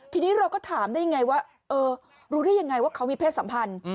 ทีนี้เราก็ถามได้ยังไงว่าเออรู้ได้ยังไงว่าเขามีเพศสัมพันธ์